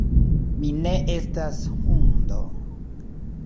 Mi ne estas hundo